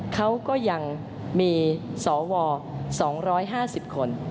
เขาก็ยังมีสว๒๕๐คน